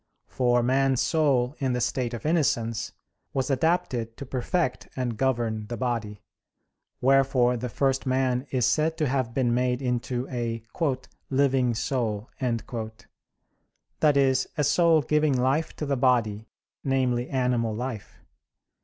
For man's soul, in the state of innocence, was adapted to perfect and govern the body; wherefore the first man is said to have been made into a "living soul"; that is, a soul giving life to the body namely animal life.